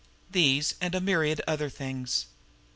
These, and a myriad other things!